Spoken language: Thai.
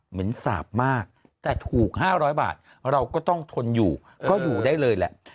เหมือนสาบมากแต่ถูก๕๐๐บาทเราก็ต้องทนอยู่ก็อยู่ได้เลยแหละ